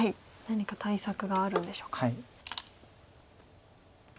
何か対策があるんでしょうか。